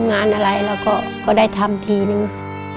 งานอะไรเราก็ได้ทำทีนึง